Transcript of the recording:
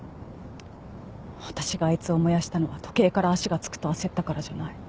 私があいつを燃やしたのは時計から足がつくと焦ったからじゃない。